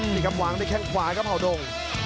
นี่ครับวางได้แค่งขวาครับหาดง